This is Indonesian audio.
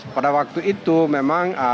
pada waktu itu memang